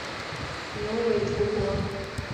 牛尾独活